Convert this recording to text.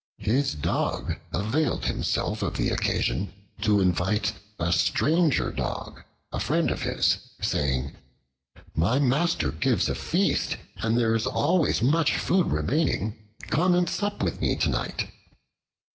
His Dog availed himself of the occasion to invite a stranger Dog, a friend of his, saying, "My master gives a feast, and there is always much food remaining; come and sup with me tonight."